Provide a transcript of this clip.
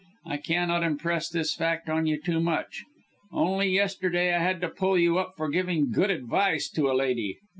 I can't impress this fact on you too much. Only yesterday I had to pull you up for giving good advice to a lady.